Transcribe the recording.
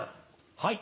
はい。